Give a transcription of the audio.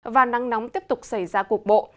và nắng nóng tiếp tục xảy ra cuộc bộ